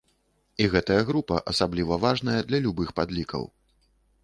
І гэтая група асабліва важная для любых падлікаў.